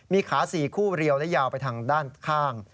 มีขา๔คู่เรียวและยาวไปทางด้านข้าง